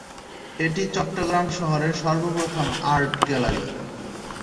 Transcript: এটি চট্টগ্রাম শহরের সর্বপ্রথম আর্ট গ্যালারি।